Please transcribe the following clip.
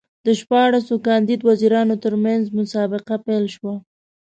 د شپاړسو کاندید وزیرانو ترمنځ مسابقه پیل شوه.